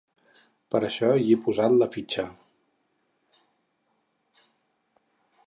Per això hi he posat la fitxa.